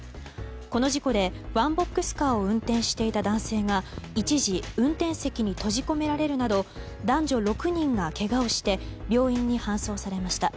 この事故で、ワンボックスカーを運転していた男性が一時、運転席に閉じ込められるなど男女６人がけがをして病院に搬送されました。